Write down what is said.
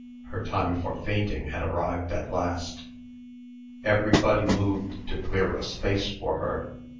Her time for fainting had arrived at last. Everybody moved to clear a space for her.